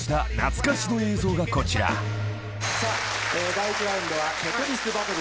第一ラウンドはテトリスバトル。